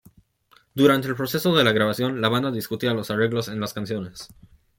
Durante el proceso de grabación, la banda discutía los arreglos en las canciones.